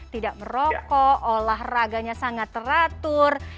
tidak merokok olahraganya sangat teratur